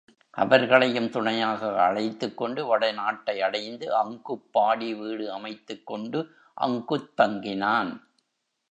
அவர்களையும் துணையாக அழைத்துக் கொண்டு வடநாட்டை அடைந்து அங்குப் பாடி வீடு அமைத்துக் கொண்டு அங்குத் தங்கினான்.